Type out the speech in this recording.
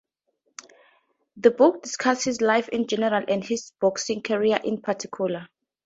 The book discusses his life in general and his boxing career in particular.